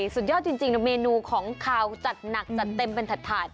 สุดยอดจริงเมนูของขาวจัดหนักจัดเต็มเป็นถาด